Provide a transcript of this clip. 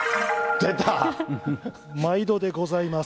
毎度でございます。